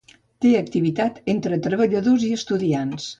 Té activitat entre treballadors i estudiants.